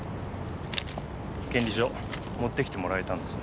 権利書持ってきてもらえたんですね。